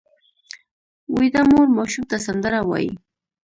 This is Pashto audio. ویده مور ماشوم ته سندره وایي